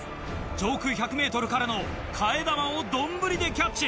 上空１００ｍからの替え玉を丼でキャッチ。